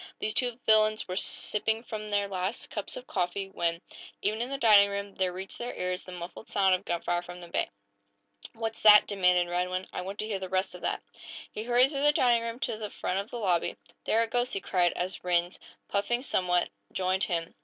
These two villains were just sipping from their last cups of coffee when, even in the dining room, there reached their ears the muffled sound of gunfire from the bay. "What's that?" demanded Radwin. "I want to hear the rest of that!" He hurried through the dining room to the front of the lobby. "There it goes," he cried, as Rhinds, puffing somewhat, joined him.